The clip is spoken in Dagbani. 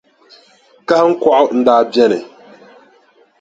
Kahiŋkɔɣu n-daa beni.